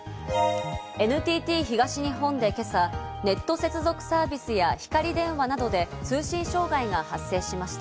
ＮＴＴ東日本で今朝、ネット接続サービスやひかり電話などで通信障害が発生しました。